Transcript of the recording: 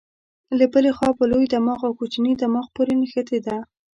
له بلې خوا په لوی دماغ او کوچني دماغ پورې نښتې ده.